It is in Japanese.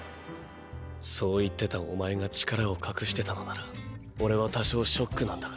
そう言ってたおまえが力を隠してたのなら俺は多少ショックなんだが。